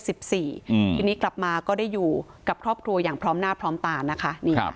ทีนี้กลับมาก็ได้อยู่กับครอบครัวอย่างพร้อมหน้าพร้อมตานะคะ